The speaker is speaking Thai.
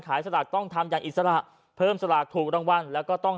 สลากต้องทำอย่างอิสระเพิ่มสลากถูกรางวัลแล้วก็ต้อง